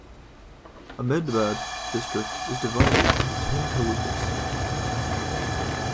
Ahmedabad District is divided into ten talukas.